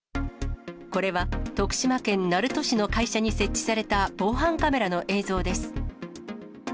これは、徳島県鳴門市の会社に設置された防犯カメラの映像です。